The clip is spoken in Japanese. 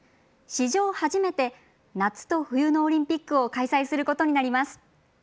史上初めて夏と冬のオリンピックを開催することになります。